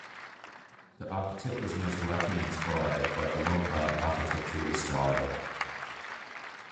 The architect was most likely inspired by the Lombard architectural style.